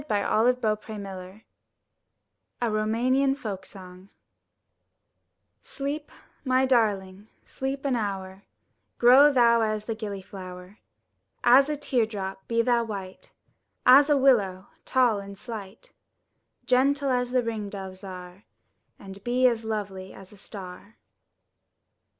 244 UP ONE PAIR OF STAIRS Sr H r^: :^: A ROUMANIAN FOLK SONG Sleep, my darling, sleep an hour, Grow thou as the gilHflower; As a teardrop be thou white, As a willow, tall and slight; Gentle as the ring doves are; And be lovely as a star.